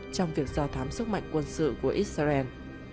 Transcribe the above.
trong việc do thám sức mạnh quân sự của israel